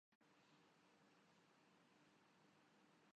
گاؤں میں ہوں۔